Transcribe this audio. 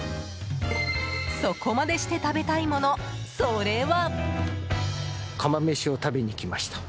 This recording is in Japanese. そこまでして食べたいものそれは。